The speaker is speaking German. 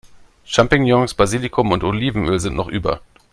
Champignons, Basilikum und Olivenöl sind noch über.